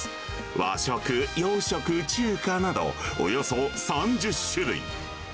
和食、洋食、中華など、およそ３０種類。